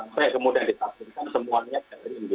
yang sampai kemudian ditampilkan semuanya jaring gitu